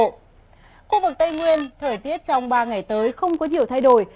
khu vực tây nguyên thời tiết trong ba ngày tới không có nhiều thay đổi